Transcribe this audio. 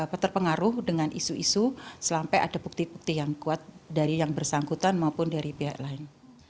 dapat terpengaruh dengan isu isu sampai ada bukti bukti yang kuat dari yang bersangkutan maupun dari pihak lain